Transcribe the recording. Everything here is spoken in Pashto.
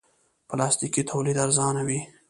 پلاستيکي تولید ارزانه وي.